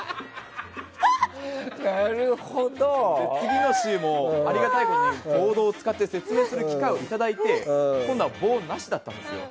次の週もありがたいことにボードを使って説明する機会をいただいて今度は棒がなしだったんです。